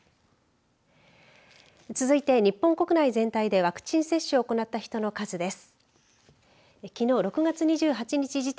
続いて日本国内全体でワクチン接種を行った人の数です。